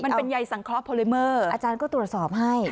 มันเป็นใยสังเคราะห์พอลิเมอร์อาจารย์ก็ตรวจสอบให้